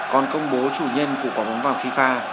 còn công bố chủ nhân của quả bóng vàng fifa